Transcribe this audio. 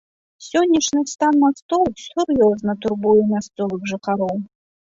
Сённяшні стан мастоў сур'ёзна турбуе мясцовых жыхароў.